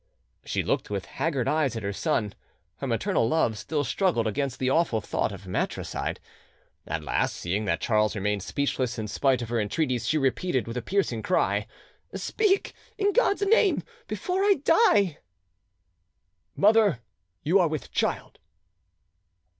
She looked with haggard eyes at her son: her maternal love still struggled against the awful thought of matricide; at last, seeing that Charles remained speechless in spite of her entreaties, she repeated, with a piercing cry— "Speak, in God's name, speak before I die!" "Mother, you are with child."